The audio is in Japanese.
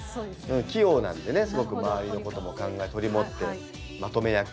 器用なんでねすごく周りのことも考え取り持ってまとめ役という感じで。